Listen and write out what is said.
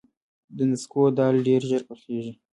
د نسکو دال ډیر ژر پخیږي.